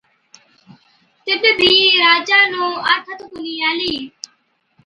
تِڏ بِي راجا نُون آٿت ڪونهِي آلِي۔